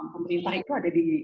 pemerintah itu ada di